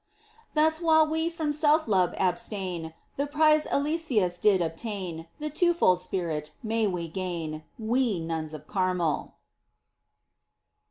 . Thus, while we from self love abstain. The prize Eliseus did obtain. The two fold spirit, may we gain. We nuns of Carmel